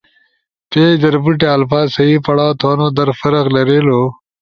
پیج در بوٹی الفاظ صحیح پڑاؤ تھونو در فرق لریلو۔